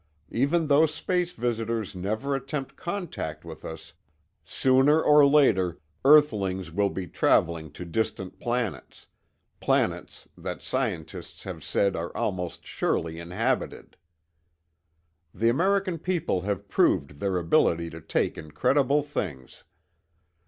Even though space visitors never attempt contact with us, sooner or later earthlings will be traveling to distant planets—planets that scientists have said are almost surely inhabited. The American people have proved their ability to take incredible things.